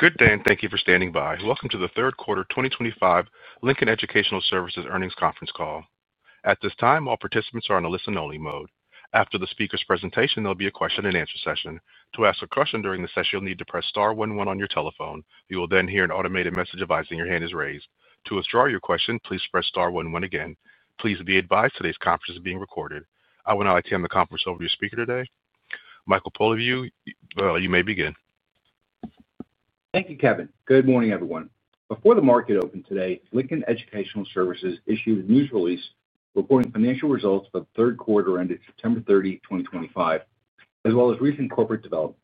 Good day, and thank you for standing by. Welcome to the Third Quarter 2025 Lincoln Educational Services Earnings Conference Call. At this time, all participants are on a listen-only mode. After the speaker's presentation, there'll be a question-and-answer session. To ask a question during the session, you'll need to press star one one on your telephone. You will then hear an automated message advising your hand is raised. To withdraw your question, please press star one one again. Please be advised today's conference is being recorded. I will now turn the conference over to your speaker today, Michael Polyviou. You may begin. Thank you, Kevin. Good morning, everyone. Before the market opened today, Lincoln Educational Services issued a news release reporting financial results for the third quarter ended September 30, 2025, as well as recent corporate developments.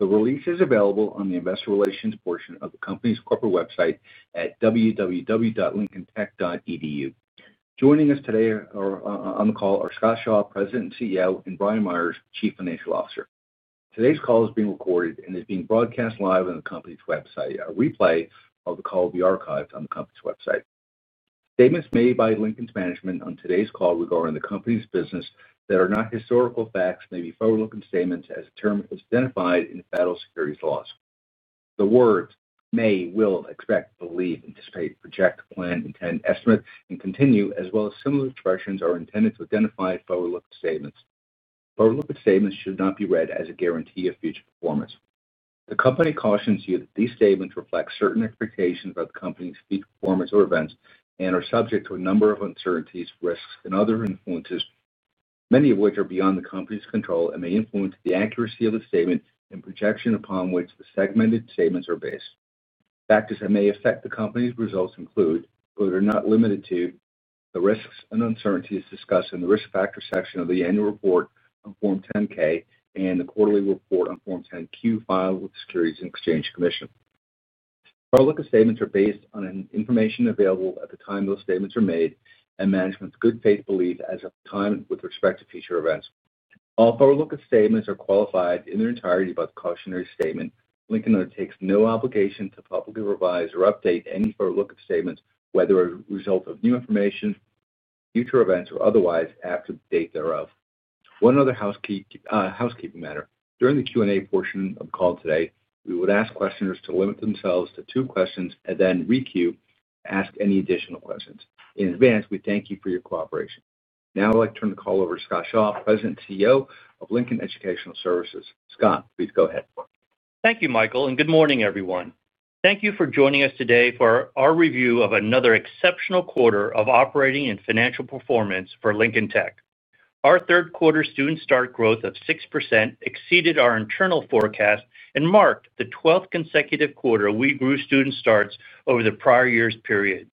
The release is available on the investor relations portion of the company's corporate website at www.lincolntech.edu. Joining us today on the call are Scott Shaw, President and CEO, and Brian Meyers, Chief Financial Officer. Today's call is being recorded and is being broadcast live on the company's website. A replay of the call will be archived on the company's website. Statements made by Lincoln's management on today's call regarding the company's business that are not historical facts may be forward-looking statements as the term is identified in federal securities laws. The words may, will, expect, believe, anticipate, project, plan, intend, estimate, and continue, as well as similar expressions, are intended to identify forward-looking statements. Forward-looking statements should not be read as a guarantee of future performance. The company cautions you that these statements reflect certain expectations about the company's future performance or events and are subject to a number of uncertainties, risks, and other influences, many of which are beyond the company's control and may influence the accuracy of the statement and projection upon which the segmented statements are based. Factors that may affect the company's results include, but are not limited to, the risks and uncertainties discussed in the risk factor section of the annual report on Form 10-K and the quarterly report on Form 10-Q filed with the Securities and Exchange Commission. Forward-looking statements are based on information available at the time those statements are made and management's good faith belief as of the time with respect to future events. All forward-looking statements are qualified in their entirety by the cautionary statement. Lincoln undertakes no obligation to publicly revise or update any forward-looking statements, whether as a result of new information, future events, or otherwise after the date thereof. One other housekeeping matter. During the Q&A portion of the call today, we would ask questioners to limit themselves to two questions and then re-queue to ask any additional questions. In advance, we thank you for your cooperation. Now I'd like to turn the call over to Scott Shaw, President and CEO of Lincoln Educational Services. Scott, please go ahead. Thank you, Michael, and good morning, everyone. Thank you for joining us today for our review of another exceptional quarter of operating and financial performance for Lincoln Tech. Our third quarter student start growth of 6% exceeded our internal forecast and marked the 12th consecutive quarter we grew student starts over the prior year's period.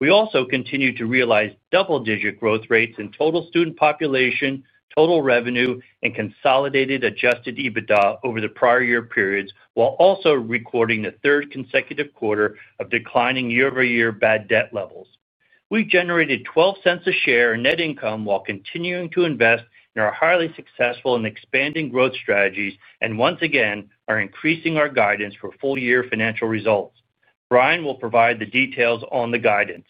We also continued to realize double-digit growth rates in total student population, total revenue, and consolidated Adjusted EBITDA over the prior year periods, while also recording the third consecutive quarter of declining year-over-year bad debt levels. We generated $0.12 a share in net income while continuing to invest in our highly successful and expanding growth strategies and once again are increasing our guidance for full-year financial results. Brian will provide the details on the guidance.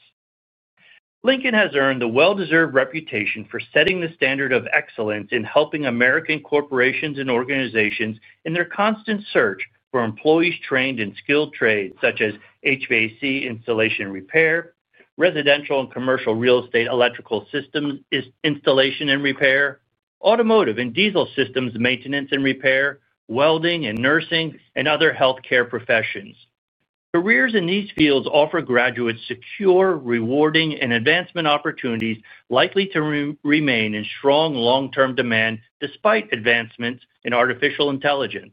Lincoln has earned the well-deserved reputation for setting the standard of excellence in helping American corporations and organizations in their constant search for employees trained in skilled trades such as HVAC installation and repair, residential and commercial real estate electrical systems installation and repair, automotive and diesel systems maintenance and repair, welding and nursing, and other healthcare professions. Careers in these fields offer graduates secure, rewarding, and advancement opportunities likely to remain in strong long-term demand despite advancements in artificial intelligence.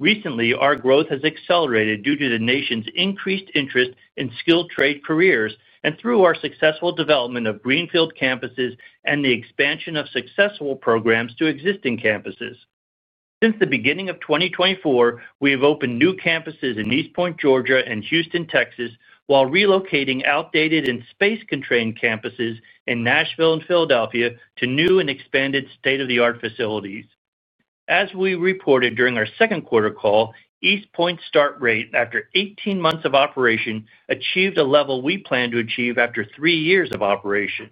Recently, our growth has accelerated due to the nation's increased interest in skilled trade careers and through our successful development of Greenfield campuses and the expansion of successful programs to existing campuses. Since the beginning of 2024, we have opened new campuses in East Point, Georgia, and Houston, Texas, while relocating outdated and space-constrained campuses in Nashville and Philadelphia to new and expanded state-of-the-art facilities. As we reported during our second quarter call, East Point's start rate, after 18 months of operation, achieved a level we plan to achieve after three years of operation.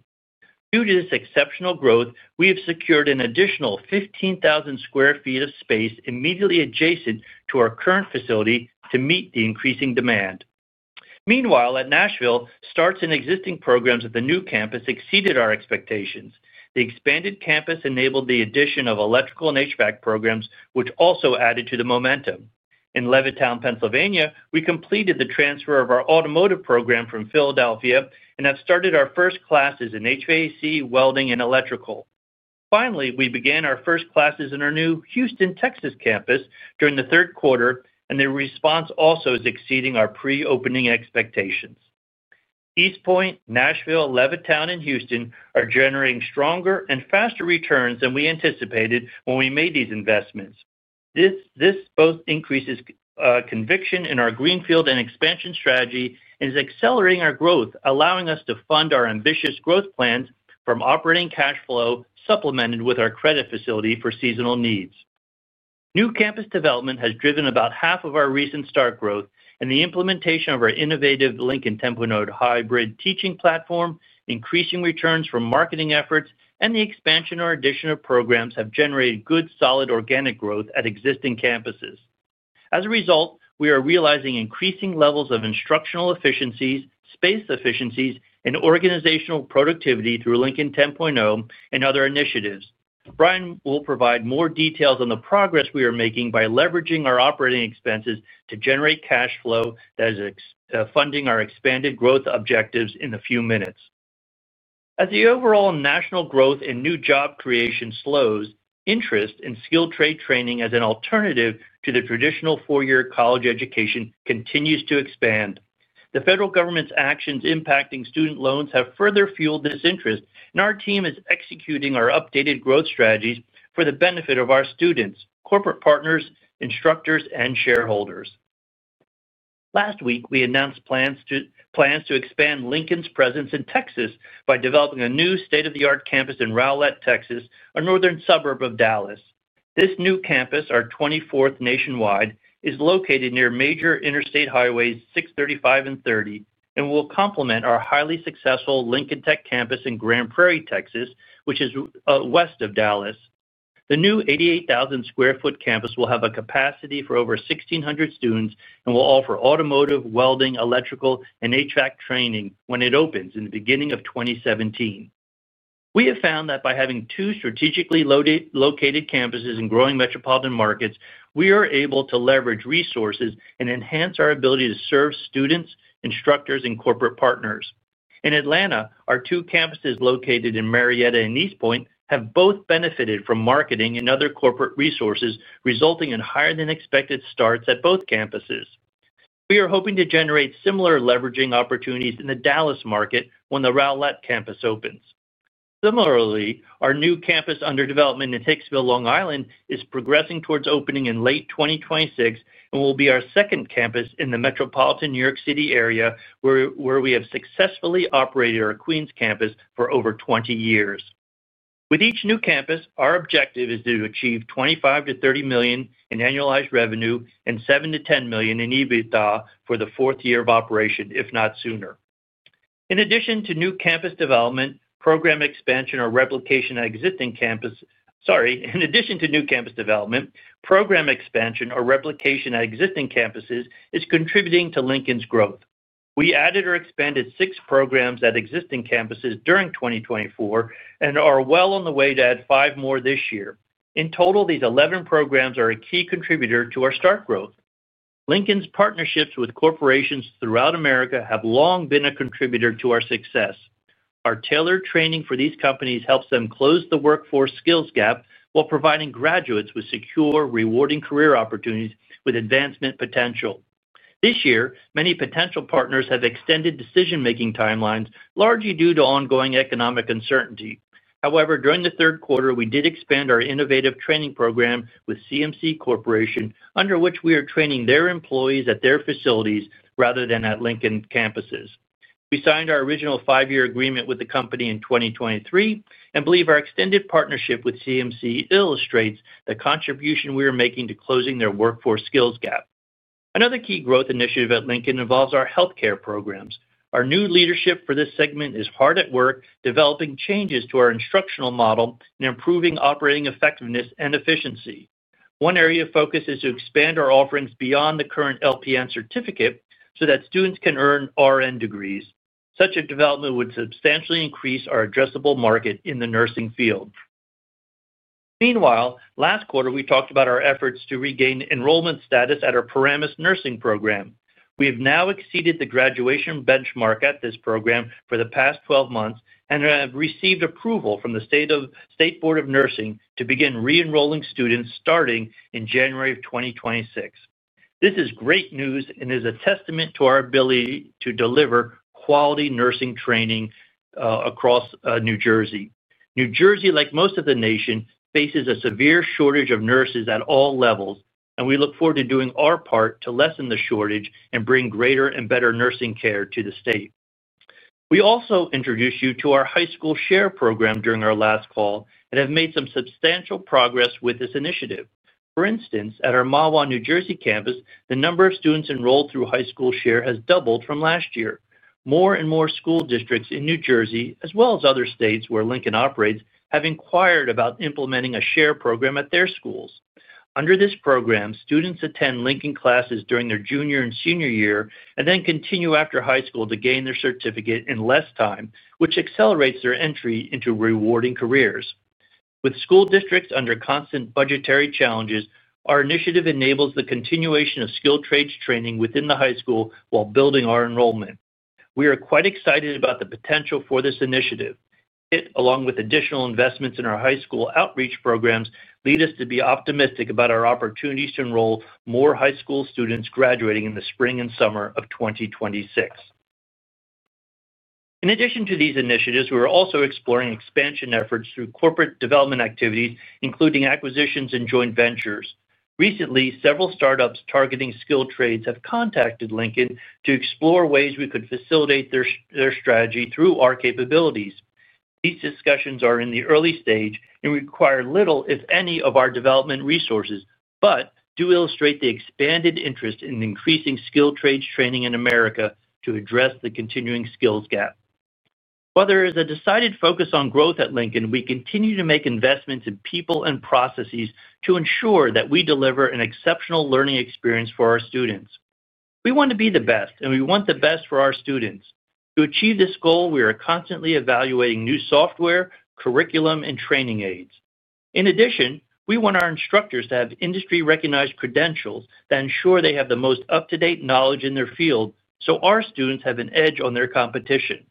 Due to this exceptional growth, we have secured an additional 15,000 sq ft of space immediately adjacent to our current facility to meet the increasing demand. Meanwhile, at Nashville, starts in existing programs at the new campus exceeded our expectations. The expanded campus enabled the addition of electrical and HVAC programs, which also added to the momentum. In Levittown, Pennsylvania, we completed the transfer of our automotive program from Philadelphia and have started our first classes in HVAC, welding, and electrical. Finally, we began our first classes in our new Houston, Texas campus during the third quarter, and the response also is exceeding our pre-opening expectations. East Point, Nashville, Levittown, and Houston are generating stronger and faster returns than we anticipated when we made these investments. This both increases conviction in our Greenfield and expansion strategy and is accelerating our growth, allowing us to fund our ambitious growth plans from operating cash flow supplemented with our credit facility for seasonal needs. New campus development has driven about half of our recent start growth, and the implementation of our innovative Lincoln 10.0 hybrid teaching platform, increasing returns from marketing efforts, and the expansion or addition of programs have generated good, solid organic growth at existing campuses. As a result, we are realizing increasing levels of instructional efficiencies, space efficiencies, and organizational productivity through Lincoln 10.0 and other initiatives. Brian will provide more details on the progress we are making by leveraging our operating expenses to generate cash flow that is funding our expanded growth objectives in a few minutes. As the overall national growth and new job creation slows, interest in skilled trade training as an alternative to the traditional four-year college education continues to expand. The federal government's actions impacting student loans have further fueled this interest, and our team is executing our updated growth strategies for the benefit of our students, corporate partners, instructors, and shareholders. Last week, we announced plans to expand Lincoln's presence in Texas by developing a new state-of-the-art campus in Rowlett, Texas, a northern suburb of Dallas. This new campus, our 24th nationwide, is located near major interstate highways 635 and 30 and will complement our highly successful Lincoln Tech campus in Grand Prairie, Texas, which is west of Dallas. The new 88,000 sq ft campus will have a capacity for over 1,600 students and will offer automotive, welding, electrical, and HVAC training when it opens in the beginning of 2027. We have found that by having two strategically located campuses in growing metropolitan markets, we are able to leverage resources and enhance our ability to serve students, instructors, and corporate partners. In Atlanta, our two campuses located in Marietta and East Point have both benefited from marketing and other corporate resources, resulting in higher-than-expected starts at both campuses. We are hoping to generate similar leveraging opportunities in the Dallas market when the Rowlett campus opens. Similarly, our new campus under development in Hicksville, New York, is progressing towards opening in late 2026 and will be our second campus in the metropolitan New York City area where we have successfully operated our Queens campus for over 20 years. With each new campus, our objective is to achieve $25 million-$30 million in annualized revenue and $7 million-$10 million in EBITDA for the fourth year of operation, if not sooner. In addition to new campus development, program expansion or replication at existing campus—sorry, in addition to new campus development, program expansion or replication at existing campuses is contributing to Lincoln's growth. We added or expanded six programs at existing campuses during 2024 and are well on the way to add five more this year. In total, these 11 programs are a key contributor to our start growth. Lincoln's partnerships with corporations throughout America have long been a contributor to our success. Our tailored training for these companies helps them close the workforce skills gap while providing graduates with secure, rewarding career opportunities with advancement potential. This year, many potential partners have extended decision-making timelines, largely due to ongoing economic uncertainty. However, during the third quarter, we did expand our innovative training program with CMC, under which we are training their employees at their facilities rather than at Lincoln campuses. We signed our original five-year agreement with the company in 2023 and believe our extended partnership with CMC illustrates the contribution we are making to closing their workforce skills gap. Another key growth initiative at Lincoln involves our healthcare programs. Our new leadership for this segment is hard at work developing changes to our instructional model and improving operating effectiveness and efficiency. One area of focus is to expand our offerings beyond the current LPN certificate so that students can earn RN degrees. Such a development would substantially increase our addressable market in the nursing field. Meanwhile, last quarter, we talked about our efforts to regain enrollment status at our Paramus Nursing program. We have now exceeded the graduation benchmark at this program for the past 12 months and have received approval from the State Board of Nursing to begin re-enrolling students starting in January of 2026. This is great news and is a testament to our ability to deliver quality nursing training across New Jersey. New Jersey, like most of the nation, faces a severe shortage of nurses at all levels, and we look forward to doing our part to lessen the shortage and bring greater and better nursing care to the state. We also introduced you to our High School Share Program during our last call and have made some substantial progress with this initiative. For instance, at our Mahwah, New Jersey campus, the number of students enrolled through high school share has doubled from last year. More and more school districts in New Jersey, as well as other states where Lincoln operates, have inquired about implementing a share program at their schools. Under this program, students attend Lincoln classes during their junior and senior year and then continue after high school to gain their certificate in less time, which accelerates their entry into rewarding careers. With school districts under constant budgetary challenges, our initiative enables the continuation of skilled trades training within the high school while building our enrollment. We are quite excited about the potential for this initiative. It, along with additional investments in our high school outreach programs, leads us to be optimistic about our opportunities to enroll more high school students graduating in the spring and summer of 2026. In addition to these initiatives, we are also exploring expansion efforts through corporate development activities, including acquisitions and joint ventures. Recently, several startups targeting skilled trades have contacted Lincoln to explore ways we could facilitate their strategy through our capabilities. These discussions are in the early stage and require little, if any, of our development resources, but do illustrate the expanded interest in increasing skilled trades training in America to address the continuing skills gap. While there is a decided focus on growth at Lincoln, we continue to make investments in people and processes to ensure that we deliver an exceptional learning experience for our students. We want to be the best, and we want the best for our students. To achieve this goal, we are constantly evaluating new software, curriculum, and training aids. In addition, we want our instructors to have industry-recognized credentials that ensure they have the most up-to-date knowledge in their field so our students have an edge on their competition.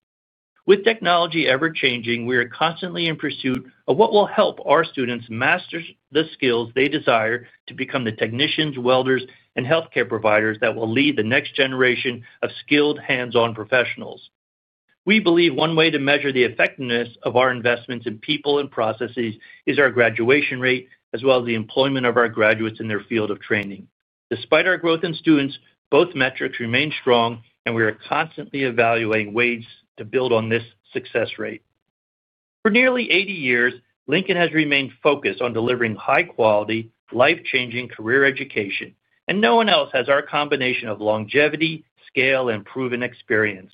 With technology ever-changing, we are constantly in pursuit of what will help our students master the skills they desire to become the technicians, welders, and healthcare providers that will lead the next generation of skilled hands-on professionals. We believe one way to measure the effectiveness of our investments in people and processes is our graduation rate, as well as the employment of our graduates in their field of training. Despite our growth in students, both metrics remain strong, and we are constantly evaluating ways to build on this success rate. For nearly 80 years, Lincoln has remained focused on delivering high-quality, life-changing career education, and no one else has our combination of longevity, scale, and proven experience.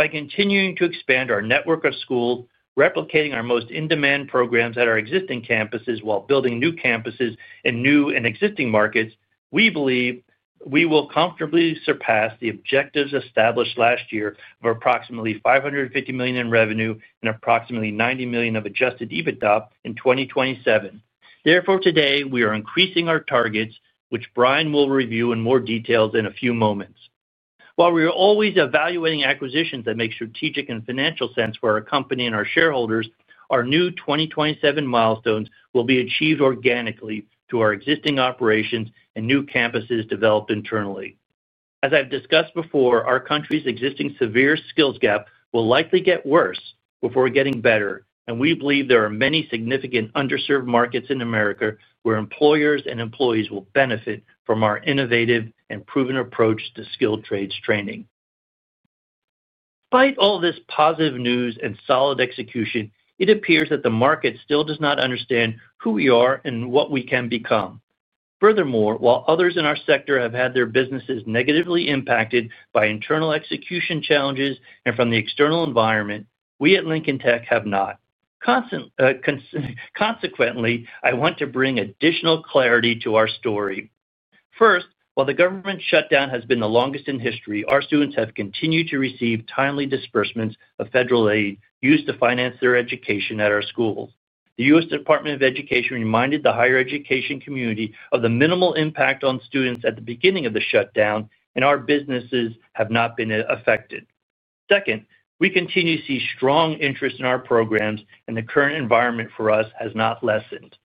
By continuing to expand our network of schools, replicating our most in-demand programs at our existing campuses while building new campuses in new and existing markets, we believe we will comfortably surpass the objectives established last year of approximately $550 million in revenue and approximately $90 million of Adjusted EBITDA in 2027. Therefore, today, we are increasing our targets, which Brian will review in more detail in a few moments. While we are always evaluating acquisitions that make strategic and financial sense for our company and our shareholders, our new 2027 milestones will be achieved organically through our existing operations and new campuses developed internally. As I've discussed before, our country's existing severe skills gap will likely get worse before getting better, and we believe there are many significant underserved markets in America where employers and employees will benefit from our innovative and proven approach to skilled trades training. Despite all this positive news and solid execution, it appears that the market still does not understand who we are and what we can become. Furthermore, while others in our sector have had their businesses negatively impacted by internal execution challenges and from the external environment, we at Lincoln Tech have not. Consequently, I want to bring additional clarity to our story. First, while the government shutdown has been the longest in history, our students have continued to receive timely disbursements of federal aid used to finance their education at our schools. The U.S. Department of Education reminded the higher education community of the minimal impact on students at the beginning of the shutdown, and our businesses have not been affected. Second, we continue to see strong interest in our programs, and the current environment for us has not lessened.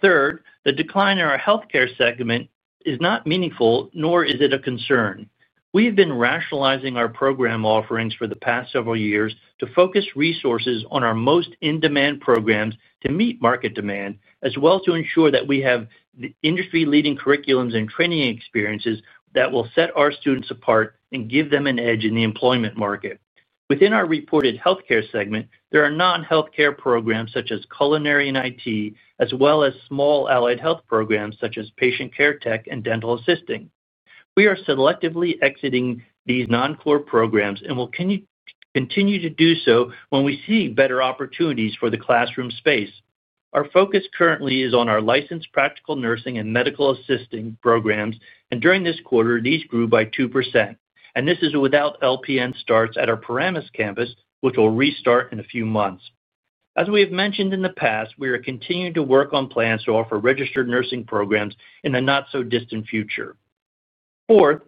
Third, the decline in our healthcare segment is not meaningful, nor is it a concern. We have been rationalizing our program offerings for the past several years to focus resources on our most in-demand programs to meet market demand, as well as to ensure that we have industry-leading curriculums and training experiences that will set our students apart and give them an edge in the employment market. Within our reported healthcare segment, there are non-healthcare programs such as culinary and IT, as well as small allied health programs such as patient care tech and dental assisting. We are selectively exiting these non-core programs and will continue to do so when we see better opportunities for the classroom space. Our focus currently is on our licensed practical nursing and medical assisting programs, and during this quarter, these grew by 2%. This is without LPN starts at our Paramus campus, which will restart in a few months. As we have mentioned in the past, we are continuing to work on plans to offer registered nursing programs in the not-so-distant future. Fourth,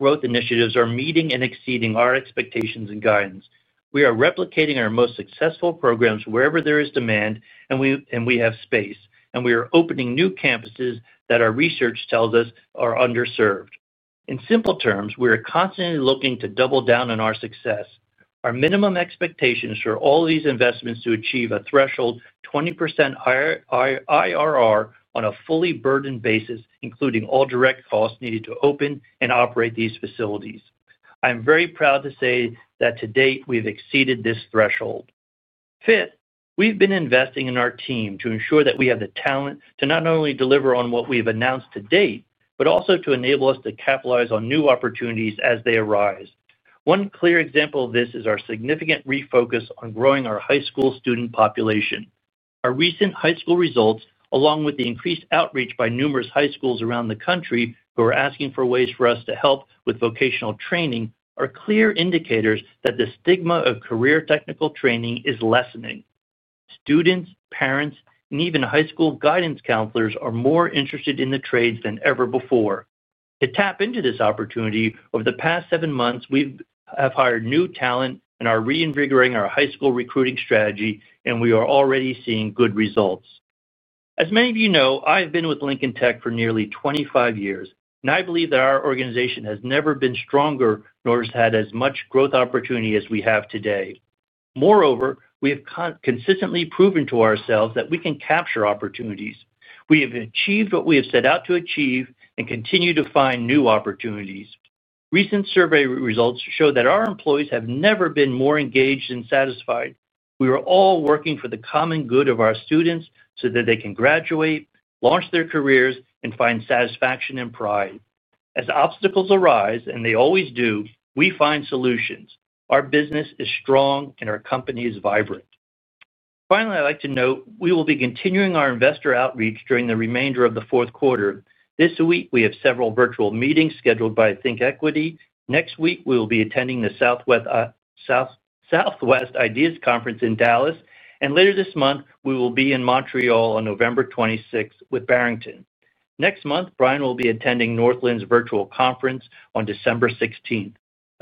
growth initiatives are meeting and exceeding our expectations and guidance. We are replicating our most successful programs wherever there is demand, and we have space, and we are opening new campuses that our research tells us are underserved. In simple terms, we are constantly looking to double down on our success. Our minimum expectations for all these investments are to achieve a threshold 20% higher IRR on a fully burdened basis, including all direct costs needed to open and operate these facilities. I'm very proud to say that to date, we've exceeded this threshold. Fifth, we've been investing in our team to ensure that we have the talent to not only deliver on what we've announced to date, but also to enable us to capitalize on new opportunities as they arise. One clear example of this is our significant refocus on growing our high school student population. Our recent high school results, along with the increased outreach by numerous high schools around the country who are asking for ways for us to help with vocational training, are clear indicators that the stigma of career technical training is lessening. Students, parents, and even high school guidance counselors are more interested in the trades than ever before. To tap into this opportunity, over the past seven months, we have hired new talent and are reinvigorating our high school recruiting strategy, and we are already seeing good results. As many of you know, I have been with Lincoln Tech for nearly 25 years, and I believe that our organization has never been stronger nor has had as much growth opportunity as we have today. Moreover, we have consistently proven to ourselves that we can capture opportunities. We have achieved what we have set out to achieve and continue to find new opportunities. Recent survey results show that our employees have never been more engaged and satisfied. We are all working for the common good of our students so that they can graduate, launch their careers, and find satisfaction and pride. As obstacles arise, and they always do, we find solutions. Our business is strong, and our company is vibrant. Finally, I'd like to note we will be continuing our investor outreach during the remainder of the fourth quarter. This week, we have several virtual meetings scheduled by ThinkEquity. Next week, we will be attending the Southwest Ideas Conference in Dallas, and later this month, we will be in Montreal on November 26th with Barrington. Next month, Brian will be attending Northland's virtual conference on December 16th.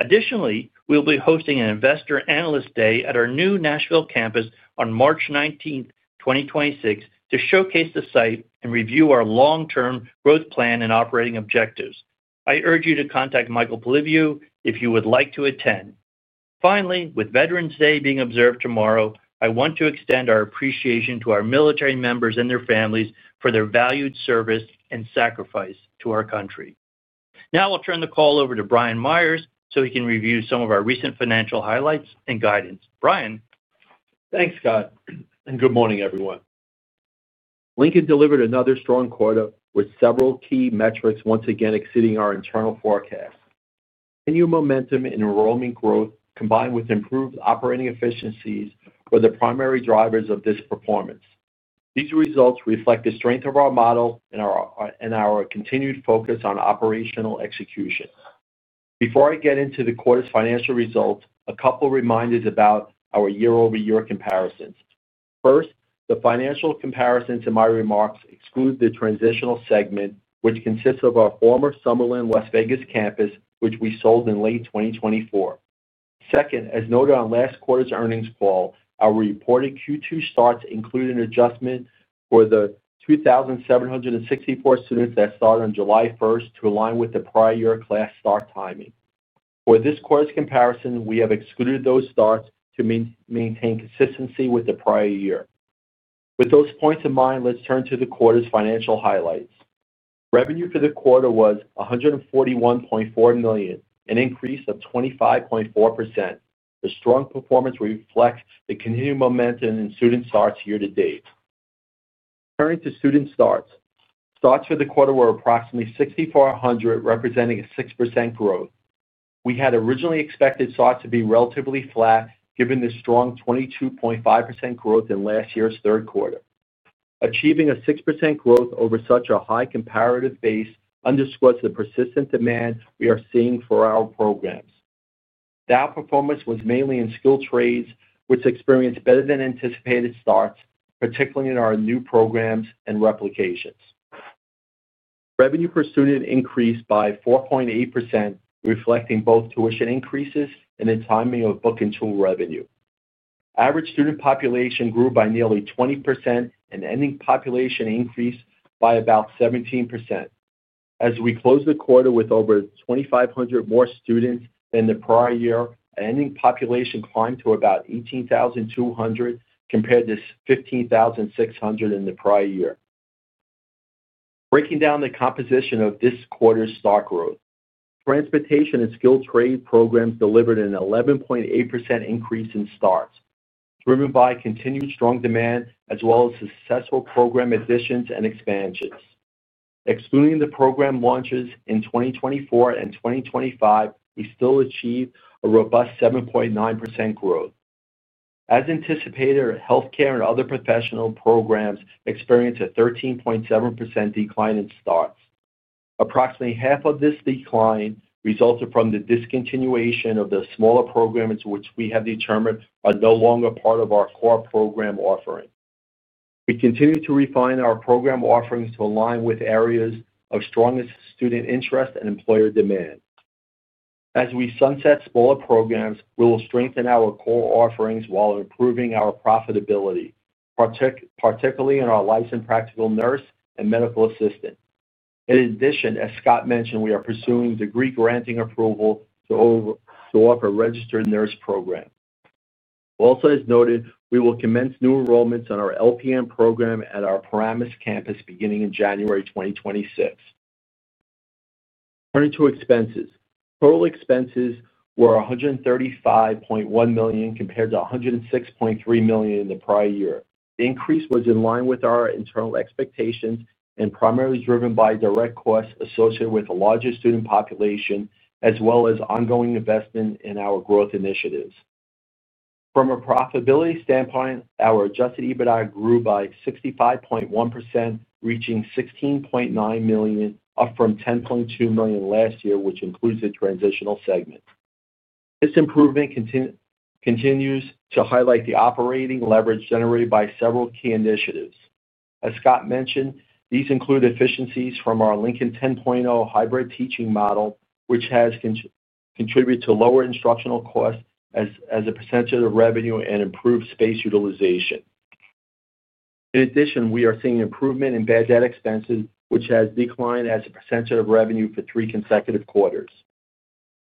Additionally, we will be hosting an investor analyst day at our new Nashville campus on March 19th, 2026, to showcase the site and review our long-term growth plan and operating objectives. I urge you to contact Michael Polyviou if you would like to attend. Finally, with Veterans Day being observed tomorrow, I want to extend our appreciation to our military members and their families for their valued service and sacrifice to our country. Now, I'll turn the call over to Brian Meyers so he can review some of our recent financial highlights and guidance. Brian. Thanks, Scott, and good morning, everyone. Lincoln delivered another strong quarter with several key metrics once again exceeding our internal forecasts. Ten-year momentum and enrollment growth, combined with improved operating efficiencies, were the primary drivers of this performance. These results reflect the strength of our model and our continued focus on operational execution. Before I get into the quarter's financial results, a couple of reminders about our year-over-year comparisons. First, the financial comparisons in my remarks exclude the transitional segment, which consists of our former Summerlin, Las Vegas campus, which we sold in late 2024. Second, as noted on last quarter's earnings call, our reported Q2 starts include an adjustment for the 2,764 students that start on July 1 to align with the prior year class start timing. For this quarter's comparison, we have excluded those starts to maintain consistency with the prior year. With those points in mind, let's turn to the quarter's financial highlights. Revenue for the quarter was $141.4 million, an increase of 25.4%. The strong performance reflects the continued momentum in student starts year to date. Turning to student starts, starts for the quarter were approximately 6,400, representing a 6% growth. We had originally expected starts to be relatively flat given the strong 22.5% growth in last year's third quarter. Achieving a 6% growth over such a high comparative base underscores the persistent demand we are seeing for our programs. That performance was mainly in skilled trades, which experienced better-than-anticipated starts, particularly in our new programs and replications. Revenue per student increased by 4.8%, reflecting both tuition increases and the timing of book and tool revenue. Average student population grew by nearly 20%, and ending population increased by about 17%. As we closed the quarter with over 2,500 more students than the prior year, ending population climbed to about 18,200 compared to 15,600 in the prior year. Breaking down the composition of this quarter's start growth, Transportation and Skilled Trades programs delivered an 11.8% increase in starts, driven by continued strong demand as well as successful program additions and expansions. Excluding the program launches in 2024 and 2025, we still achieved a robust 7.9% growth. As anticipated, Healthcare and Other Professions programs experienced a 13.7% decline in starts. Approximately half of this decline resulted from the discontinuation of the smaller programs which we have determined are no longer part of our core program offering. We continue to refine our program offerings to align with areas of strongest student interest and employer demand. As we sunset smaller programs, we will strengthen our core offerings while improving our profitability, particularly in our licensed practical nurse and medical assistant. In addition, as Scott mentioned, we are pursuing degree granting approval to offer a registered nurse program. Also, as noted, we will commence new enrollments on our LPN program at our Paramus campus beginning in January 2026. Turning to expenses, total expenses were $135.1 million compared to $106.3 million in the prior year. The increase was in line with our internal expectations and primarily driven by direct costs associated with the larger student population, as well as ongoing investment in our growth initiatives. From a profitability standpoint, our Adjusted EBITDA grew by 65.1%, reaching $16.9 million, up from $10.2 million last year, which includes the transitional segment. This improvement continues to highlight the operating leverage generated by several key initiatives. As Scott mentioned, these include efficiencies from our Lincoln 10.0 hybrid teaching model, which has contributed to lower instructional costs as a percentage of revenue and improved space utilization. In addition, we are seeing improvement in bad debt expenses, which has declined as a percentage of revenue for three consecutive quarters.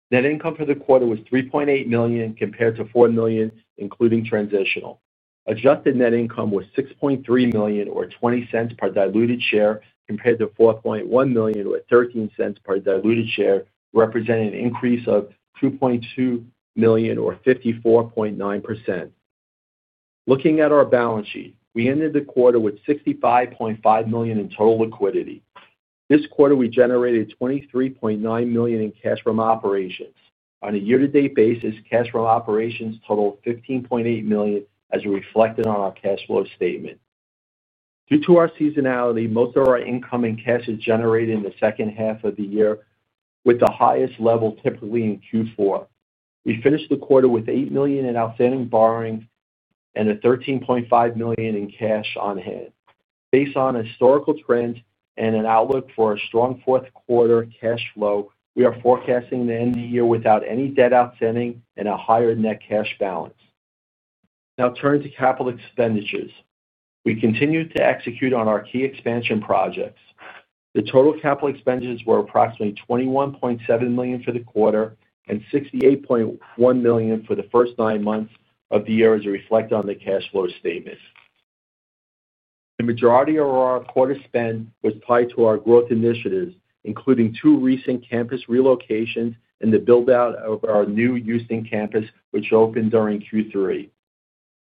Net income for the quarter was $3.8 million compared to $4 million, including transitional. Adjusted net income was $6.3 million, or $0.20 per diluted share, compared to $4.1 million, or $0.13 per diluted share, representing an increase of $2.2 million, or 54.9%. Looking at our balance sheet, we ended the quarter with $65.5 million in total liquidity. This quarter, we generated $23.9 million in cash from operations. On a year-to-date basis, cash from operations totaled $15.8 million, as reflected on our cash flow statement. Due to our seasonality, most of our income and cash is generated in the second half of the year, with the highest level typically in Q4. We finished the quarter with $8 million in outstanding borrowing and $13.5 million in cash on hand. Based on historical trends and an outlook for a strong fourth quarter cash flow, we are forecasting the end of the year without any debt outstanding and a higher net cash balance. Now, turning to capital expenditures, we continue to execute on our key expansion projects. The total capital expenditures were approximately $21.7 million for the quarter and $68.1 million for the first nine months of the year, as reflected on the cash flow statement. The majority of our quarter spend was tied to our growth initiatives, including two recent campus relocations and the build-out of our new Houston campus, which opened during Q3.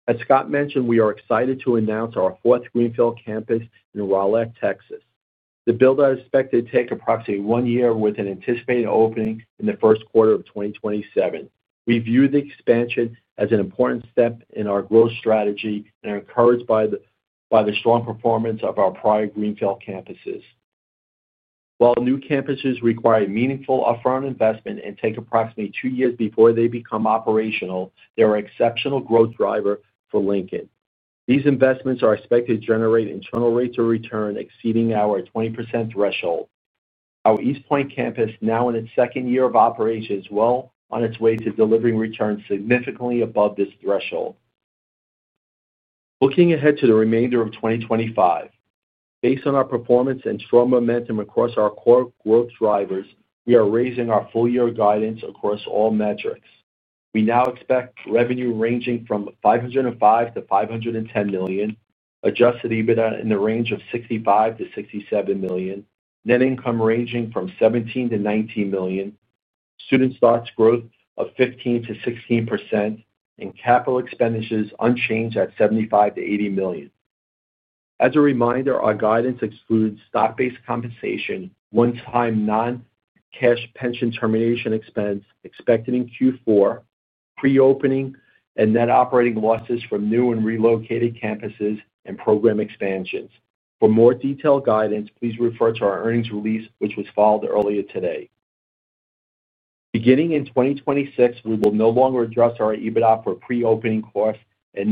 As Scott mentioned, we are excited to announce our fourth Greenfield campus in Rowlett, Texas. The build-out is expected to take approximately one year, with an anticipated opening in the first quarter of 2027. We view the expansion as an important step in our growth strategy and are encouraged by the strong performance of our prior Greenfield campuses. While new campuses require meaningful upfront investment and take approximately two years before they become operational, they are an exceptional growth driver for Lincoln. These investments are expected to generate internal rates of return exceeding our 20% threshold. Our East Point campus, now in its second year of operations, is well on its way to delivering returns significantly above this threshold. Looking ahead to the remainder of 2025, based on our performance and strong momentum across our core growth drivers, we are raising our full-year guidance across all metrics. We now expect revenue ranging from $505 million-$510 million, Adjusted EBITDA in the range of $65-$67 million, net income ranging from $17-$19 million, student starts growth of 15%-16%, and capital expenditures unchanged at $75 million-$80 million. As a reminder, our guidance excludes stock-based compensation, one-time non-cash pension termination expense expected in Q4, pre-opening, and net operating losses from new and relocated campuses and program expansions. For more detailed guidance, please refer to our earnings release, which was filed earlier today. Beginning in 2026, we will no longer adjust our EBITDA for pre-opening costs and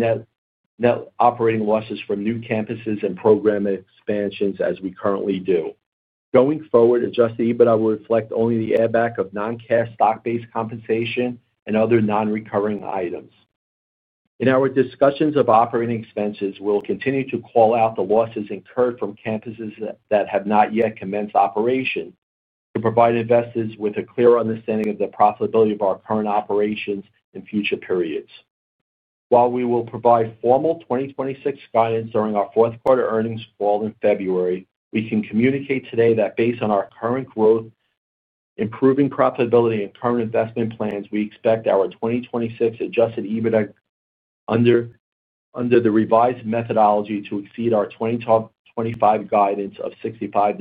net operating losses from new campuses and program expansions as we currently do. Going forward, Adjusted EBITDA will reflect only the add-back of non-cash stock-based compensation and other non-recurring items. In our discussions of operating expenses, we'll continue to call out the losses incurred from campuses that have not yet commenced operation to provide investors with a clear understanding of the profitability of our current operations in future periods. While we will provide formal 2026 guidance during our fourth quarter earnings call in February, we can communicate today that based on our current growth, improving profitability, and current investment plans, we expect our 2026 Adjusted EBITDA under the revised methodology to exceed our 2025 guidance of $65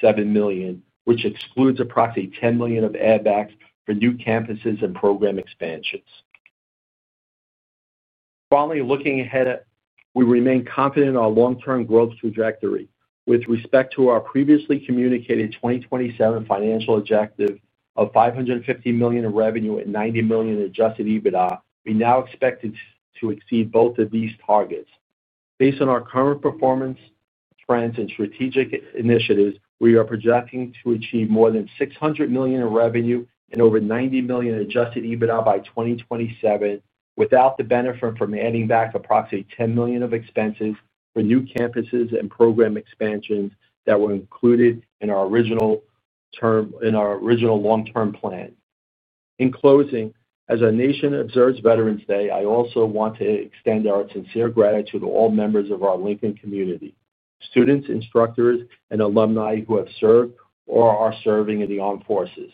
million-$67 million, which excludes approximately $10 million of add-backs for new campuses and program expansions. Finally, looking ahead, we remain confident in our long-term growth trajectory. With respect to our previously communicated 2027 financial objective of $550 million in revenue and $90 million in Adjusted EBITDA, we now expect to exceed both of these targets. Based on our current performance trends and strategic initiatives, we are projecting to achieve more than $600 million in revenue and over $90 million in Adjusted EBITDA by 2027, without the benefit from adding back approximately $10 million of expenses for new campuses and program expansions that were included in our original long-term plan. In closing, as our nation observes Veterans Day, I also want to extend our sincere gratitude to all members of our Lincoln community: students, instructors, and alumni who have served or are serving in the armed forces.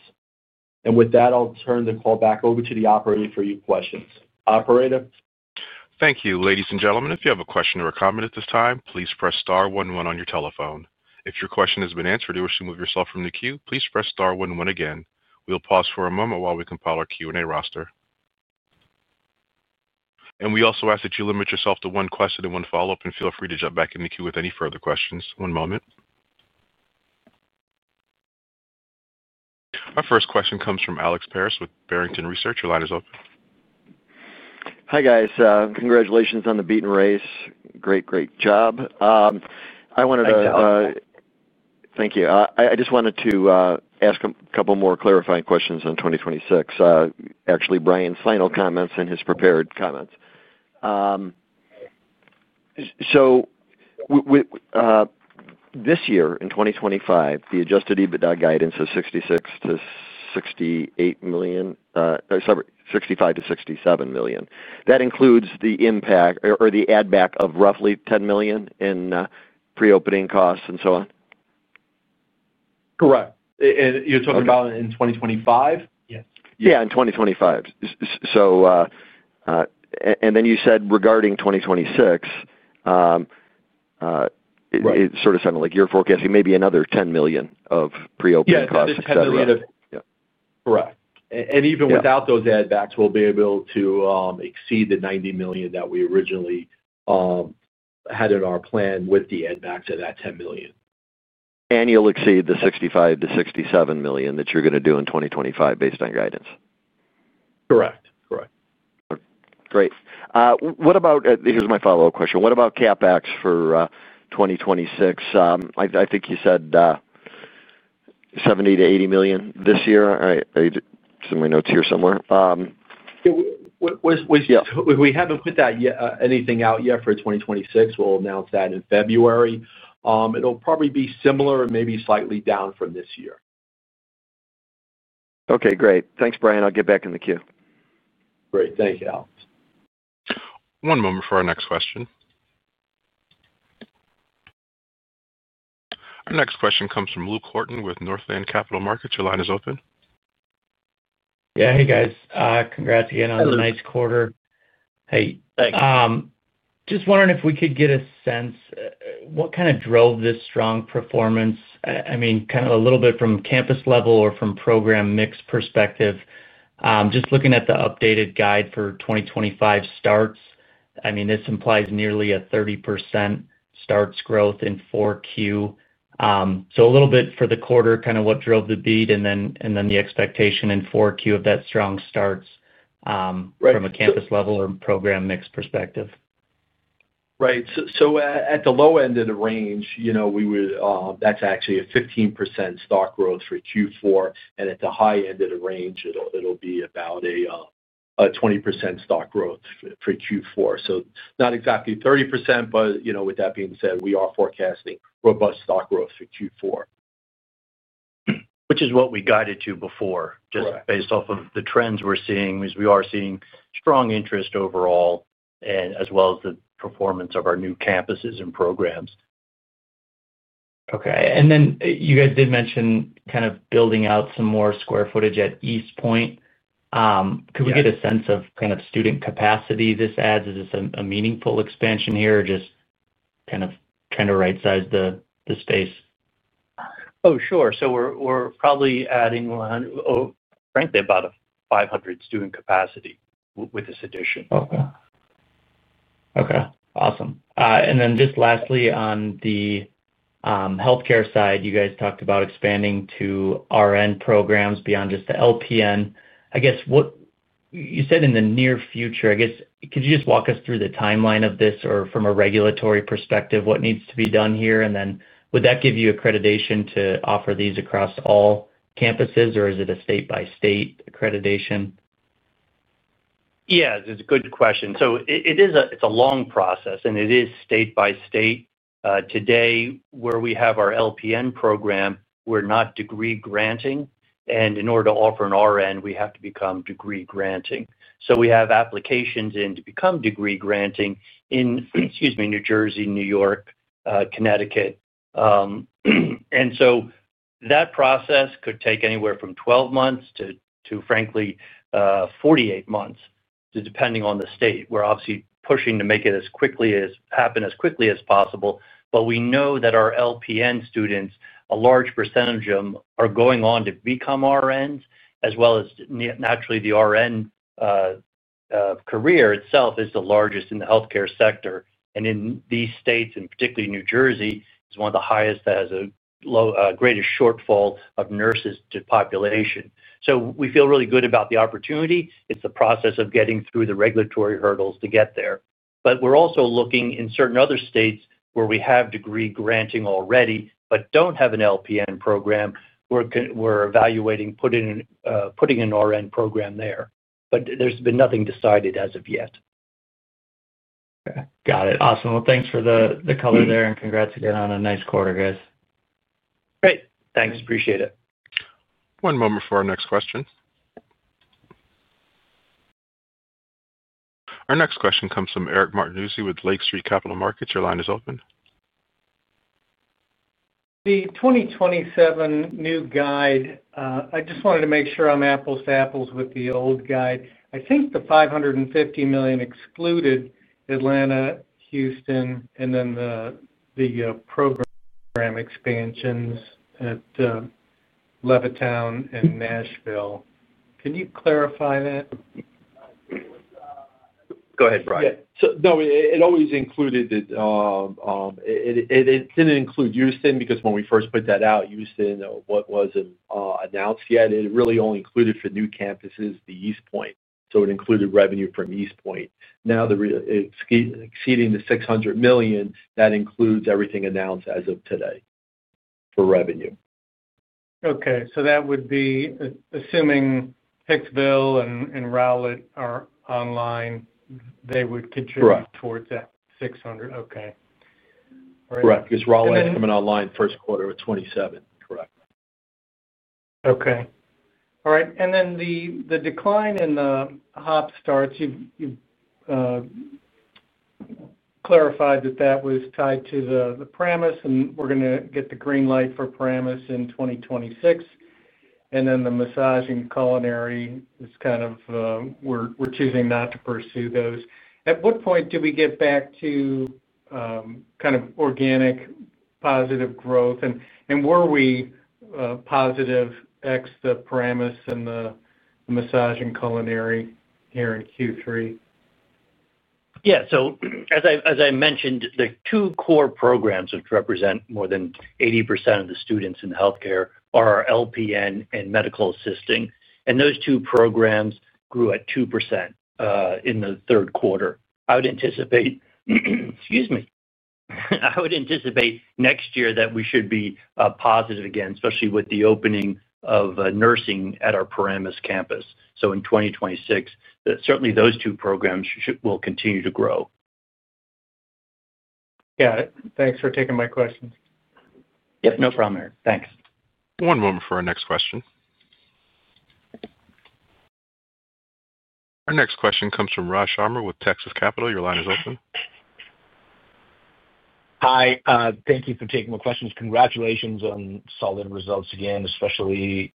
With that, I'll turn the call back over to the operator for your questions. Operator. Thank you. Ladies and gentlemen, if you have a question or a comment at this time, please press star one one on your telephone. If your question has been answered or you wish to move yourself from the queue, please press star one one again. We'll pause for a moment while we compile our Q&A roster. We also ask that you limit yourself to one question and one follow-up, and feel free to jump back in the queue with any further questions. One moment. Our first question comes from Alex Paris with Barrington Research. Your line is open. Hi guys. Congratulations on the beat and raise. Great, great job. I wanted to. Thank you. I just wanted to ask a couple more clarifying questions on 2026. Actually, Brian's final comments and his prepared comments. So this year, in 2025, the Adjusted EBITDA guidance is $65 million-$67 million. That includes the impact or the add-back of roughly $10 million in pre-opening costs and so on? Correct. And you're talking about in 2025? Yes. Yeah, in 2025. Then you said regarding 2026, it sort of sounded like you're forecasting maybe another $10 million of pre-opening costs etc. Yes, etc. Correct. Even without those add-backs, we'll be able to exceed the $90 million that we originally had in our plan with the add-backs of that $10 million. You'll exceed the $65 million-$67 million that you're going to do in 2025 based on guidance. Correct. Correct. Great. Here's my follow-up question. What about CapEx for 2026? I think you said $70 million-$80 million this year. I have some of my notes here somewhere. We haven't put anything out yet for 2026. We'll announce that in February. It'll probably be similar and maybe slightly down from this year. Okay. Great. Thanks, Brian. I'll get back in the queue. Great. Thank you, Alex. One moment for our next question. Our next question comes from Luke Horton with Northland Capital Markets. Your line is open. Yeah. Hey, guys. Congrats again on the nice quarter. Hey. Thanks. Just wondering if we could get a sense, what kind of drove this strong performance? I mean, kind of a little bit from campus level or from program mix perspective. Just looking at the updated guide for 2025 starts, I mean, this implies nearly a 30% starts growth in Q4. So a little bit for the quarter, kind of what drove the beat and then the expectation in Q4 of that strong starts from a campus level or program mix perspective. Right. So at the low end of the range, that's actually a 15% starts growth for Q4. And at the high end of the range, it'll be about a 20% starts growth for Q4. Not exactly 30%, but with that being said, we are forecasting robust stock growth for Q4. Which is what we guided to before, just based off of the trends we're seeing, as we are seeing strong interest overall, as well as the performance of our new campuses and programs. Okay. You guys did mention kind of building out some more square footage at East Point. Could we get a sense of kind of student capacity this adds? Is this a meaningful expansion here or just kind of trying to right-size the space? Oh, sure. We're probably adding, frankly, about 500 student capacity with this addition. Okay. Awesome. Just lastly, on the healthcare side, you guys talked about expanding to RN programs beyond just the LPN. I guess you said in the near future, I guess, could you just walk us through the timeline of this or from a regulatory perspective, what needs to be done here? And then would that give you accreditation to offer these across all campuses, or is it a state-by-state accreditation? Yeah. It's a good question. So it's a long process, and it is state-by-state. Today, where we have our LPN program, we're not degree-granting. And in order to offer an RN, we have to become degree-granting. So we have applications in to become degree-granting in, excuse me, New Jersey, New York, Connecticut. And so that process could take anywhere from 12 months to, frankly, 48 months, depending on the state. We're obviously pushing to make it happen as quickly as possible. We know that our LPN students, a large percentage of them are going on to become RNs, as well as, naturally, the RN career itself is the largest in the healthcare sector. In these states, and particularly New Jersey, it is one of the highest that has a greatest shortfall of nurses to population. We feel really good about the opportunity. It is the process of getting through the regulatory hurdles to get there. We are also looking in certain other states where we have degree-granting already but do not have an LPN program. We are evaluating putting an RN program there. There has been nothing decided as of yet. Okay. Got it. Awesome. Thanks for the color there and congrats again on a nice quarter, guys. Great. Thanks. Appreciate it. One moment for our next question. Our next question comes from Eric Martinuzzi with Lake Street Capital Markets. Your line is open. The 2027 new guide, I just wanted to make sure I'm apples to apples with the old guide. I think the $550 million excluded Atlanta, Houston, and then the program expansions at Levittown and Nashville. Can you clarify that? Go ahead, Brian. Yeah. So no, it always included that it didn't include Houston because when we first put that out, Houston wasn't announced yet. It really only included four new campuses, the East Point. So it included revenue from East Point. Now, exceeding the $600 million, that includes everything announced as of today for revenue. Okay. So that would be assuming Pikeville and Rowlett are online, they would contribute towards that $600. Okay. Correct. Because Rowlett is coming online first quarter of 2027. Correct. Okay. All right. And then the decline in the HOP starts, you've clarified that that was tied to the Paramus, and we're going to get the green light for Paramus in 2026. And then the massage and culinary is kind of we're choosing not to pursue those. At what point do we get back to kind of organic positive growth? And were we positive ex the Paramus and the massage and culinary here in Q3? Yeah. As I mentioned, the two core programs which represent more than 80% of the students in healthcare are LPN and medical assisting. And those two programs grew at 2% in the third quarter. I would anticipate, excuse me, I would anticipate next year that we should be positive again, especially with the opening of nursing at our Paramus campus. In 2026, certainly those two programs will continue to grow. Got it. Thanks for taking my questions. Yep. No problem, Eric. Thanks. One moment for our next question. Our next question comes from Raj Sharma with Texas Capital. Your line is open. Hi. Thank you for taking my questions. Congratulations. And solid results again, especially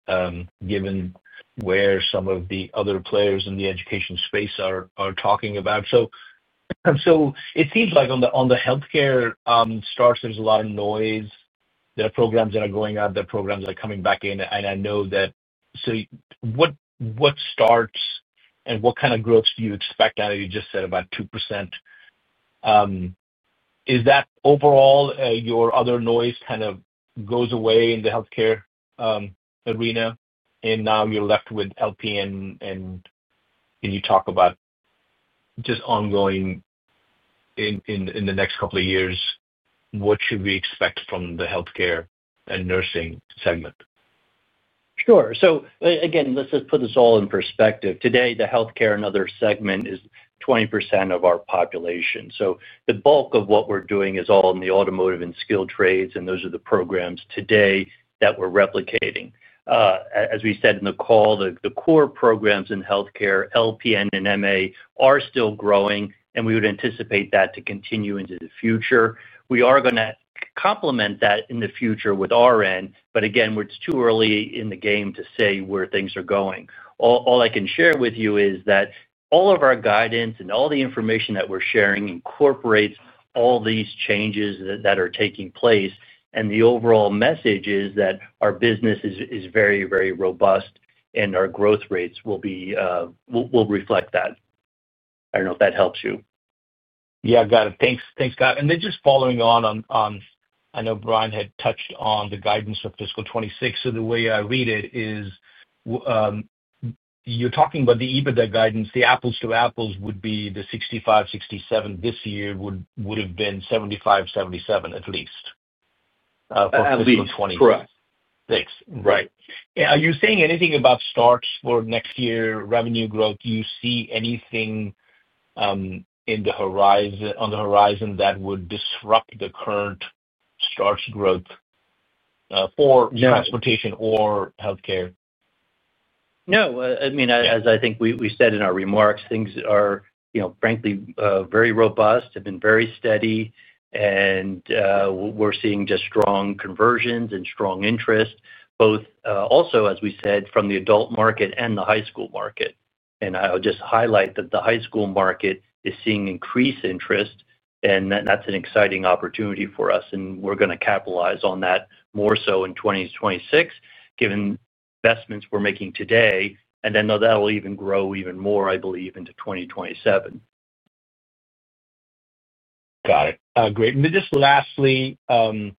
given where some of the other players in the education space are talking about. It seems like on the healthcare starts, there's a lot of noise. There are programs that are going out. There are programs that are coming back in. I know that. What starts and what kind of growth do you expect out of—you just said about 2%. Is that overall your other noise kind of goes away in the healthcare arena? Now you're left with LPN. Can you talk about just ongoing in the next couple of years, what should we expect from the healthcare and nursing segment? Sure. Let's just put this all in perspective. Today, the healthcare and other segment is 20% of our population. The bulk of what we're doing is all in the automotive and skilled trades, and those are the programs today that we're replicating. As we said in the call, the core programs in healthcare, LPN and MA, are still growing, and we would anticipate that to continue into the future. We are going to complement that in the future with RN, but again, it's too early in the game to say where things are going. All I can share with you is that all of our guidance and all the information that we're sharing incorporates all these changes that are taking place. The overall message is that our business is very, very robust, and our growth rates will reflect that. I don't know if that helps you. Yeah. Got it. Thanks, Scott. Just following on, I know Brian had touched on the guidance for fiscal 2026. The way I read it is you're talking about the EBITDA guidance. The apples to apples would be the $65 million-$67 million this year would have been $75 million-$77 million at least for fiscal 2026. Correct. Right. Are you saying anything about starts for next year revenue growth? Do you see anything on the horizon that would disrupt the current starts growth for transportation or healthcare? No. I mean, as I think we said in our remarks, things are, frankly, very robust, have been very steady, and we're seeing just strong conversions and strong interest, both also, as we said, from the adult market and the high school market. I'll just highlight that the high school market is seeing increased interest, and that's an exciting opportunity for us. We're going to capitalize on that more so in 2026, given investments we're making today, and then that'll even grow even more, I believe, into 2027. Got it. Great. Just lastly, on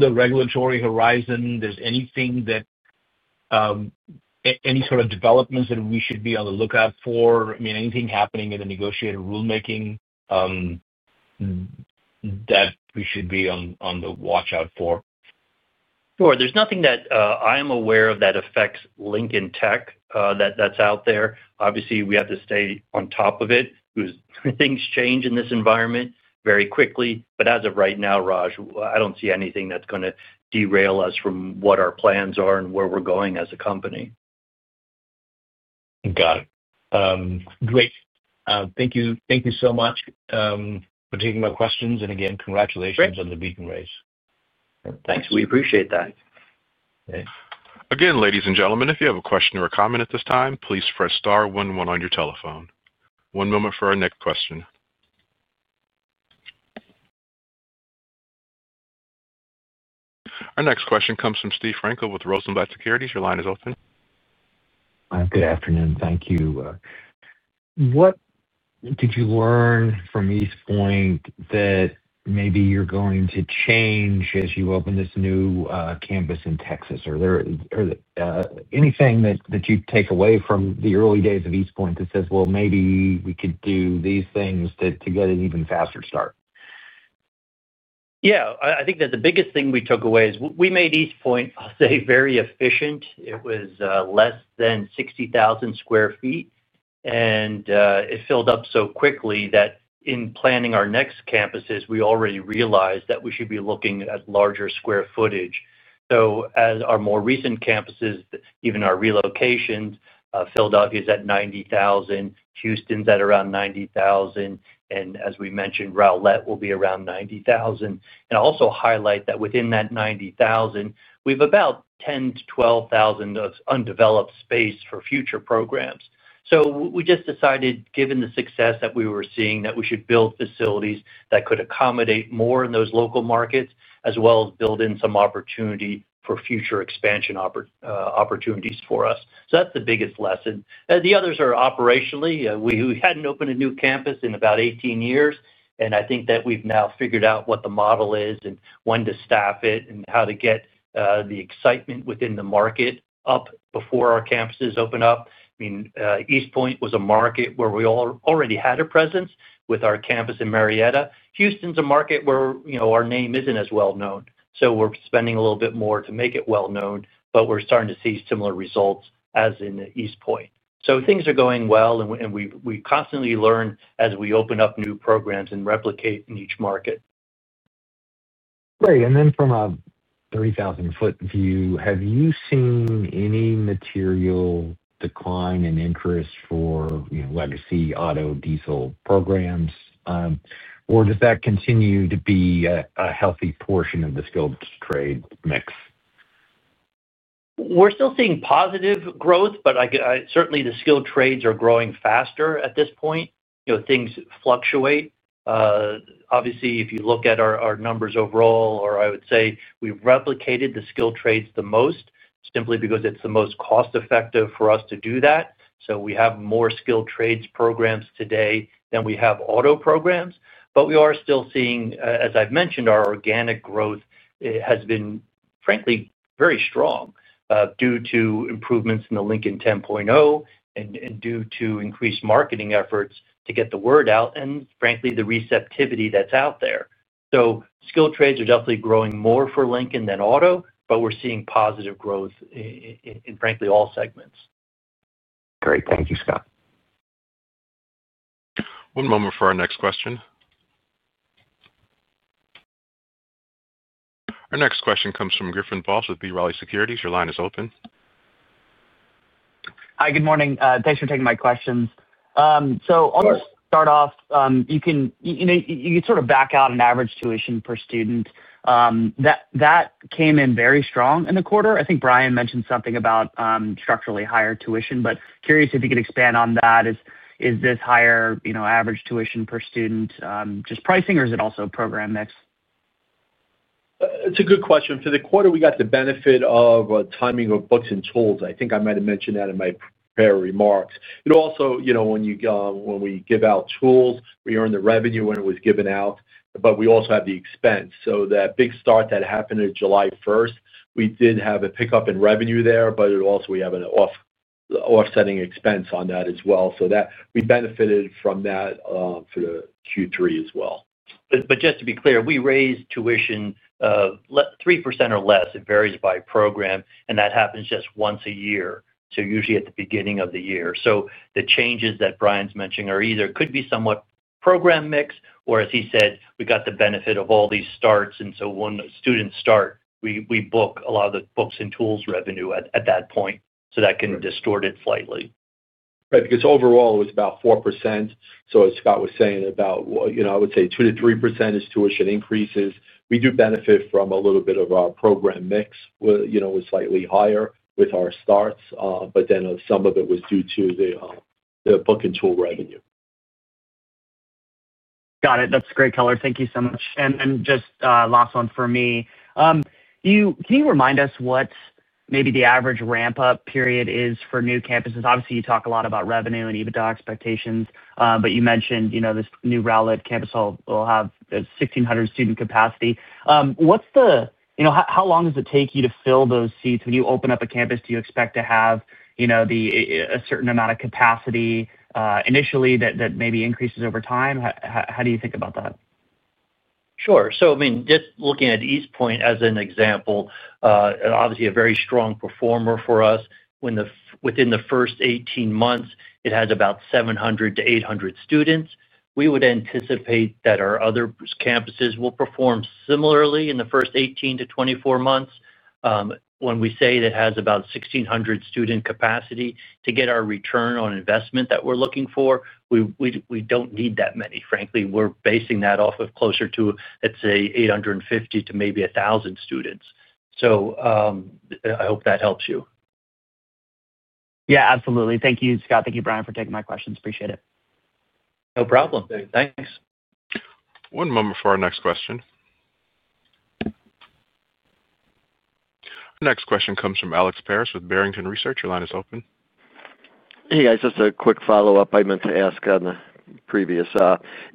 the regulatory horizon, is there any sort of developments that we should be on the lookout for? I mean, anything happening in the negotiated rulemaking that we should be on the watch out for? Sure. There's nothing that I am aware of that affects Lincoln Tech that's out there. Obviously, we have to stay on top of it because things change in this environment very quickly. As of right now, Raj, I don't see anything that's going to derail us from what our plans are and where we're going as a company. Got it. Great. Thank you so much for taking my questions. Again, congratulations on the beat and raise. Thanks. We appreciate that. Again, ladies and gentlemen, if you have a question or a comment at this time, please press star one one on your telephone. One moment for our next question. Our next question comes from Steve Frenkel with Rosenblatt Securities. Your line is open. Good afternoon. Thank you. What did you learn from East Point that maybe you're going to change as you open this new campus in Texas? Or anything that you take away from the early days of East Point that says, "Maybe we could do these things to get an even faster start"? Yeah. I think that the biggest thing we took away is we made East Point, I'll say, very efficient. It was less than 60,000 sq ft, and it filled up so quickly that in planning our next campuses, we already realized that we should be looking at larger square footage. As our more recent campuses, even our relocations, Philadelphia is at 90,000, Houston's at around 90,000. As we mentioned, Rowlett will be around 90,000. I'll also highlight that within that 90,000, we have about 10,000-12,000 of undeveloped space for future programs. We just decided, given the success that we were seeing, that we should build facilities that could accommodate more in those local markets, as well as build in some opportunity for future expansion opportunities for us. That's the biggest lesson. The others are operationally. We hadn't opened a new campus in about 18 years, and I think that we've now figured out what the model is and when to staff it and how to get the excitement within the market up before our campuses open up. I mean, East Point was a market where we already had a presence with our campus in Marietta. Houston's a market where our name isn't as well known. We're spending a little bit more to make it well known, but we're starting to see similar results as in East Point. Things are going well, and we constantly learn as we open up new programs and replicate in each market. Great. Then from a 3,000-foot view, have you seen any material decline in interest for legacy auto diesel programs, or does that continue to be a healthy portion of the skilled trade mix? We're still seeing positive growth, but certainly the skilled trades are growing faster at this point. Things fluctuate. Obviously, if you look at our numbers overall, or I would say we've replicated the skilled trades the most simply because it's the most cost-effective for us to do that. We have more skilled trades programs today than we have auto programs. We are still seeing, as I've mentioned, our organic growth has been, frankly, very strong due to improvements in the Lincoln 10.0 and due to increased marketing efforts to get the word out and, frankly, the receptivity that's out there. Skilled trades are definitely growing more for Lincoln than auto, but we're seeing positive growth in, frankly, all segments. Great. Thank you, Scott. One moment for our next question. Our next question comes from Griffin Boss with B. Riley Securities. Your line is open. Hi. Good morning. Thanks for taking my questions. I'll start off. You can sort of back out an average tuition per student. That came in very strong in the quarter. I think Brian mentioned something about structurally higher tuition, but curious if you could expand on that. Is this higher average tuition per student just pricing, or is it also a program mix? It's a good question. For the quarter, we got the benefit of timing of books and tools. I think I might have mentioned that in my prior remarks. Also, when we give out tools, we earn the revenue when it was given out, but we also have the expense. That big start that happened on July 1, we did have a pickup in revenue there, but also we have an offsetting expense on that as well. We benefited from that for the Q3 as well. Just to be clear, we raised tuition 3% or less. It varies by program, and that happens just once a year, usually at the beginning of the year. The changes that Brian's mentioning could be somewhat program mix, or as he said, we got the benefit of all these starts. When students start, we book a lot of the books and tools revenue at that point, so that can distort it slightly. Right. Because overall, it was about 4%. As Scott was saying, I would say 2-3% tuition increases, we do benefit from a little bit of our program mix. It was slightly higher with our starts, but then some of it was due to the book and tool revenue. Got it. That's great, Keller. Thank you so much. Just last one for me. Can you remind us what maybe the average ramp-up period is for new campuses? Obviously, you talk a lot about revenue and EBITDA expectations, but you mentioned this new Rowlett campus will have 1,600 student capacity. What's the—how long does it take you to fill those seats? When you open up a campus, do you expect to have a certain amount of capacity initially that maybe increases over time? How do you think about that? Sure. I mean, just looking at East Point as an example, obviously a very strong performer for us. Within the first 18 months, it has about 700-800 students. We would anticipate that our other campuses will perform similarly in the first 18-24 months. When we say it has about 1,600 student capacity, to get our return on investment that we're looking for, we don't need that many. Frankly, we're basing that off of closer to, let's say, 850 to maybe 1,000 students. I hope that helps you. Yeah. Absolutely. Thank you, Scott. Thank you, Brian, for taking my questions. Appreciate it. No problem. Thanks. One moment for our next question. Our next question comes from Alex Paris with Barrington Research. Your line is open. Hey, guys. Just a quick follow-up I meant to ask on the previous.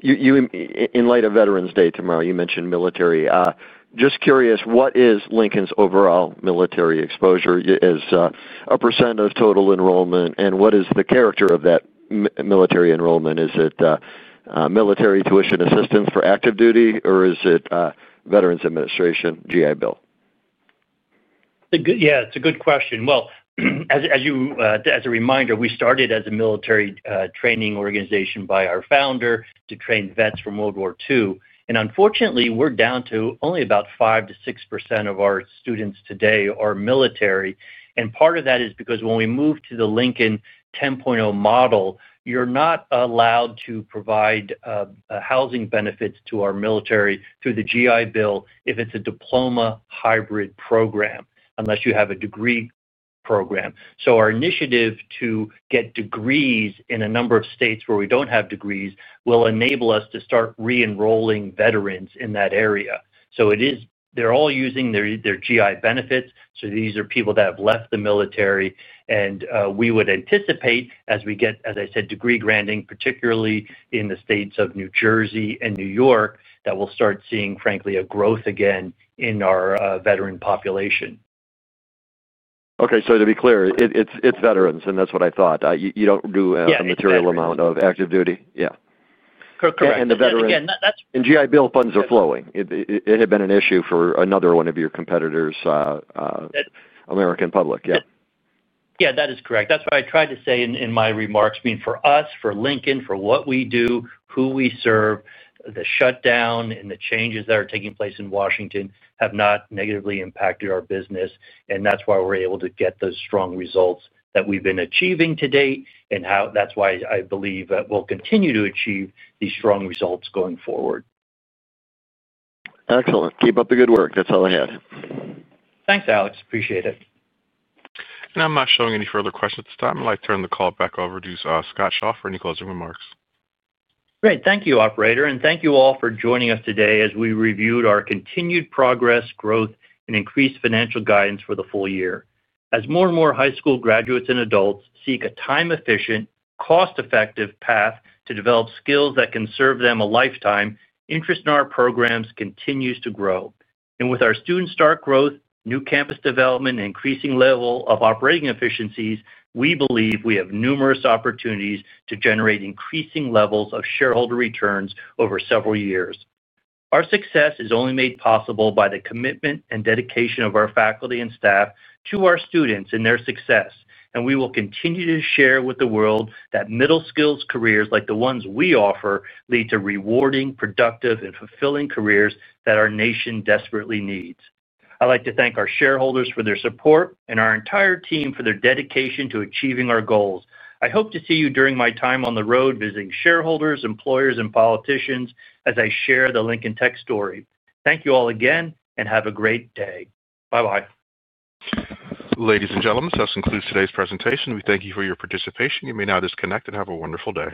In light of Veterans Day tomorrow, you mentioned military. Just curious, what is Lincoln's overall military exposure as a percent of total enrollment, and what is the character of that military enrollment? Is it military tuition assistance for active duty, or is it Veterans Administration, GI Bill? Yeah. It's a good question. As a reminder, we started as a military training organization by our founder to train vets from World War II. Unfortunately, we're down to only about 5-6% of our students today are military. Part of that is because when we moved to the Lincoln 10.0 model, you're not allowed to provide housing benefits to our military through the GI Bill if it's a diploma hybrid program, unless you have a degree program. Our initiative to get degrees in a number of states where we don't have degrees will enable us to start re-enrolling veterans in that area. They're all using their GI benefits. These are people that have left the military. We would anticipate, as I said, degree granting, particularly in the states of New Jersey and New York, that we'll start seeing, frankly, a growth again in our veteran population. Okay. To be clear, it's veterans, and that's what I thought. You don't do a material amount of active duty. Yeah. Correct. Correct. The veterans and GI Bill funds are flowing. It had been an issue for another one of your competitors, American Public. Yeah. Yeah. That is correct. That is what I tried to say in my remarks. I mean, for us, for Lincoln, for what we do, who we serve, the shutdown and the changes that are taking place in Washington have not negatively impacted our business. That is why we are able to get those strong results that we have been achieving to date. That is why I believe we will continue to achieve these strong results going forward. Excellent. Keep up the good work. That is all I had. Thanks, Alex. Appreciate it. I am not showing any further questions at this time. I would like to turn the call back over to Scott Shaw for any closing remarks. Great. Thank you, Operator. Thank you all for joining us today as we reviewed our continued progress, growth, and increased financial guidance for the full year. As more and more high school graduates and adults seek a time-efficient, cost-effective path to develop skills that can serve them a lifetime, interest in our programs continues to grow. With our student start growth, new campus development, and increasing level of operating efficiencies, we believe we have numerous opportunities to generate increasing levels of shareholder returns over several years. Our success is only made possible by the commitment and dedication of our faculty and staff to our students and their success. We will continue to share with the world that middle-skilled careers like the ones we offer lead to rewarding, productive, and fulfilling careers that our nation desperately needs. I'd like to thank our shareholders for their support and our entire team for their dedication to achieving our goals. I hope to see you during my time on the road visiting shareholders, employers, and politicians as I share the Lincoln Tech story. Thank you all again, and have a great day. Bye-bye. Ladies and gentlemen, this concludes today's presentation. We thank you for your participation. You may now disconnect and have a wonderful day.